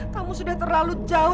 kamu sudah terlalu jauh